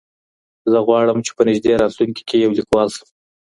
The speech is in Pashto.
زه غواړم چې په نږدې راتلونکي کې یو لیکوال سم.